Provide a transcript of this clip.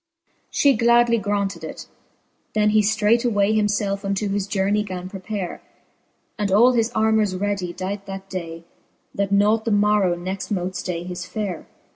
XVI. She gladly graunted it; then he ftraight way Himlelfe unto his journey gan prepare, And all his armours readie dight that day. That nought the morrow next mote flay his fare.